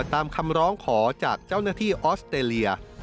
ตามคำร้องขอจากเจ้าหน้าที่ออสเตรเลีย